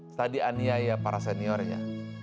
setadi aniaya para seniornya